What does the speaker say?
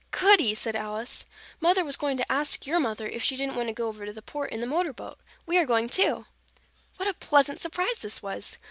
"Goody!" said Alice. "Mother was going to ask your mother if she didn't want to go over to the Port in the motor boat. We are going, too." What a pleasant surprise this was!